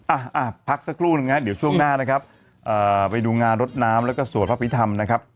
อ่ะพักสักครู่หนึ่งนะเดี๋ยวช่วงหน้านะครับเอ่อไปดูงานรดน้ำแล้วก็สวดพระพิธรรมนะครับ